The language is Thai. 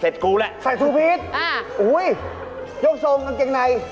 เสร็จกูละใส่ทูพีชอ้าวโอ้ยโยกโชงกางเกงไหน